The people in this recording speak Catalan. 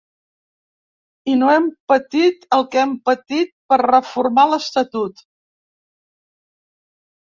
I no hem patit el que hem patit per reformar l’estatut.